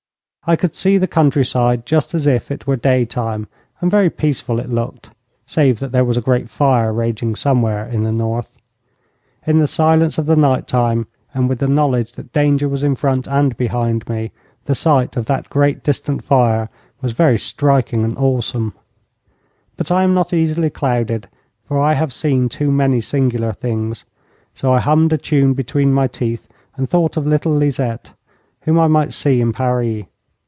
I could see the countryside just as if it were daytime, and very peaceful it looked, save that there was a great fire raging somewhere in the north. In the silence of the night time, and with the knowledge that danger was in front and behind me, the sight of that great distant fire was very striking and awesome. But I am not easily clouded, for I have seen too many singular things, so I hummed a tune between my teeth and thought of little Lisette, whom I might see in Paris.